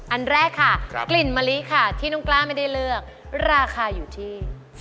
อันแรกค่ะกลิ่นมะลิค่ะที่น้องกล้าไม่ได้เลือกราคาอยู่ที่